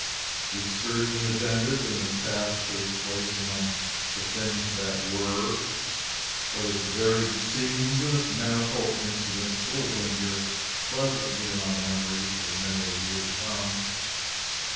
The Excursion is ended, and has passed to its place among the things that were. But its varied scenes and its manifold incidents will linger pleasantly in our memories for many a year to come.